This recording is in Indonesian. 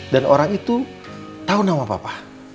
dan orang itu tau nama papa